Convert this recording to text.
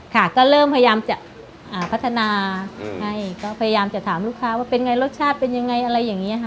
ค่ะก็เริ่มพยายามจะพัฒนาให้ก็พยายามจะถามลูกค้าว่าเป็นไงรสชาติเป็นยังไงอะไรอย่างนี้ค่ะ